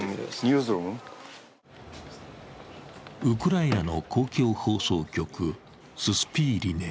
ウクライナの公共放送局ススピーリネ。